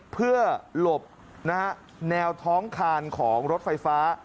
เพื่อหลบแนวท้องคานของรถไฟฟ้า